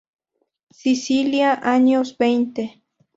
Sicilia, años veinte.